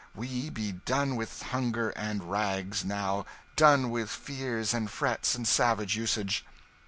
We be done with hunger and rags, now, done with fears and frets and savage usage."